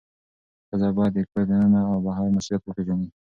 ښځه باید د کور دننه او بهر مسئولیت وپیژني.